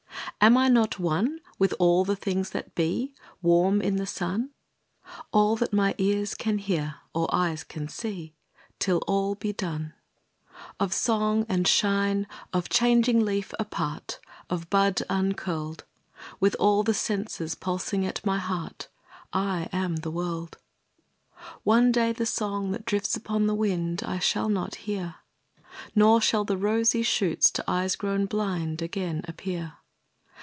Am I not one with all the things that be Warm in the sun? All that my ears can hear, or eyes can see, Till all be done. Of song and shine, of changing leaf apart, Of bud uncurled: With all the senses pulsing at my heart, I am the world. One day the song that drifts upon the wind, I shall not hear; Nor shall the rosy shoots to eyes grown blind Again appear.